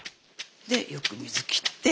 でよく水切って。